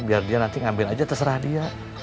biar dia nanti ngambil aja terserah dia